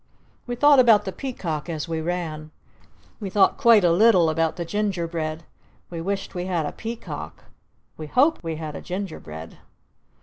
We thought about the Peacock as we ran! We thought quite a little about the Ginger bread! We wished we had a Peacock! We hoped we had a Ginger bread!